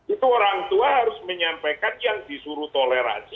itu orang tua harus menyampaikan yang disuruh toleransi